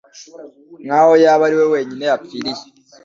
nkaho yaba ari we wenyine yapfiriye.